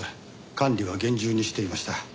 管理は厳重にしていました。